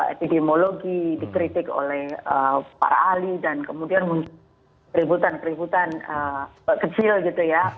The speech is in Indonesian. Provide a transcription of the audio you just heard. epidemiologi dikritik oleh para ahli dan kemudian muncul keributan keributan kecil gitu ya